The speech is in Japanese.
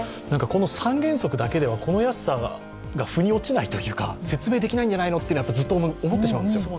三原則だけでは、この安さが腑に落ちないというか、説明できないんじゃないのというのは思ってしまうんですよ。